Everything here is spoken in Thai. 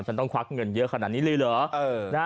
ฉันต้องควักเงินเยอะขนาดนี้เลยเหรอ